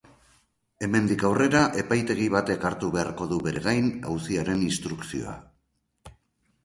Hemendik aurrera, epaitegi batek hartu beharko du bere gain auziaren instrukzioa.